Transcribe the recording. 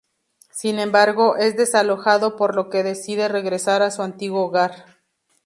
Sin embargo, es desalojado, por lo que decide regresar a su antiguo hogar.